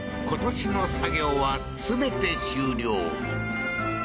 今年の作業は全て終了